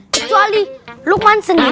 kecuali lukman sendiri